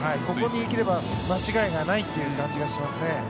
ここに生きれば間違いがないっていう感じがしますね。